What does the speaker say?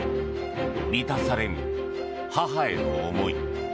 満たされぬ母への思い。